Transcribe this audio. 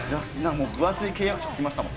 分厚い契約書書きましたもん。